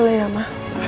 boleh ya ma